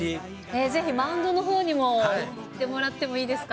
ぜひマウンドのほうにも行ってもらってもいいですか。